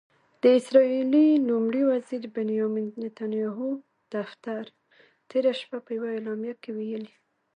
د اسرائیلي لومړي وزیر بنیامن نتنیاهو دفتر تېره شپه په یوه اعلامیه کې ویلي